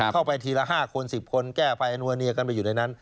เข้าไปทีละ๕คน๑๐คนแก้ไปนัวเนียกันไปอยู่ในนั้น